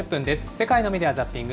世界のメディア・ザッピング。